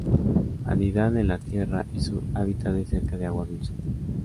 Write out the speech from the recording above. Anidan en la tierra, y su hábitat es cerca de agua dulce.